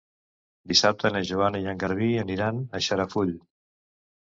Dissabte na Joana i en Garbí aniran a Xarafull.